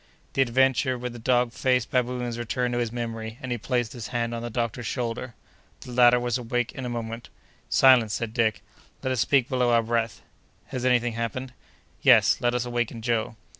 The adventure with the dog faced baboons returned to his memory, and he placed his hand on the doctor's shoulder. The latter was awake in a moment. "Silence!" said Dick. "Let us speak below our breath." "Has any thing happened?" "Yes, let us waken Joe."